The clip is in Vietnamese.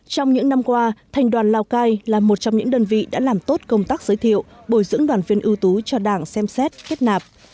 trong những năm qua thành đoàn lào cai là một trong những đơn vị đã làm tốt công tác giới thiệu bồi dưỡng đoàn viên ưu tú cho đảng xem xét kết nạp